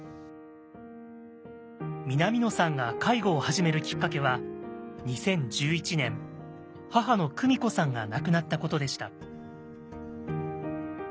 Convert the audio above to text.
南野さんが介護を始めるキッカケは２０１１年母の久美子さんが亡くなったことでした。